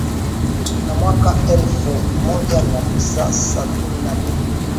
na mwaka ellfu moja mia tisa sabini na mbili